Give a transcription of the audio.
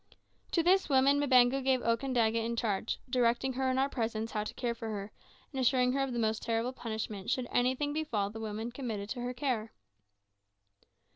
To this woman Mbango gave Okandaga in charge, directing her in our presence how to care for her, and assuring her of the most terrible punishment should anything befall the woman committed to her care.